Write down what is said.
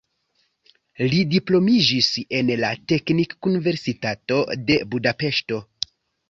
Li diplomitiĝis en la teknikuniversitato de Budapeŝto.